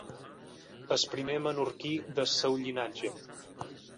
Es primer menorquí des seu llinatge.